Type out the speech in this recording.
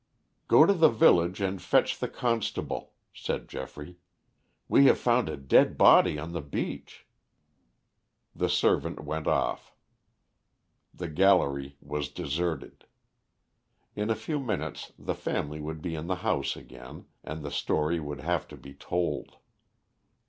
"Go to the village and fetch the constable," said Geoffrey. "We have found a dead body on the beach." The servant went off; the gallery was deserted. In a few minutes the family would be in the house again, and the story would have to be told.